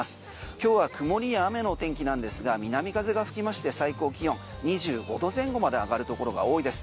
今日は曇りや雨の天気なんですが南風が吹きまして最高気温２５度前後まで上がるところが多いです。